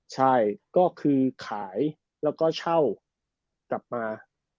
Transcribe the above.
ใช่ก็คือขายแล้วก็เช่ากลับมา